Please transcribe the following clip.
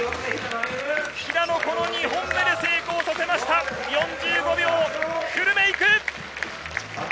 平野、この２本目で成功させました、４５秒フルメイク！